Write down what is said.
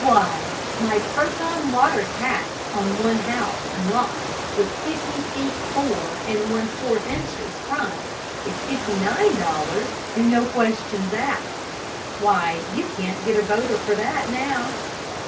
Why, my Croton water tax on one house and lot with fifty feet four and one fourth inches front is fifty nine dollars and no questions asked. Why, you can't get a voter for that now.